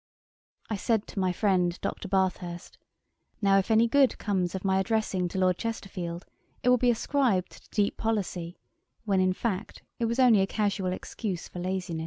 I said to my friend, Dr. Bathurst, "Now if any good comes of my addressing to Lord Chesterfield, it will be ascribed to deep policy, when, in fact, it was only a casual excuse for laziness."'